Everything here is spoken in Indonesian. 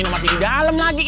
dan masih dalam lagi em